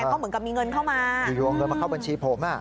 ก็เหมือนกับมีเงินเข้ามามีอยู่เอาเงินมาเข้าบัญชีผม